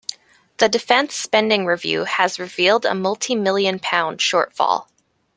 The Defence Spending Review has revealed a multi-million pound shortfall.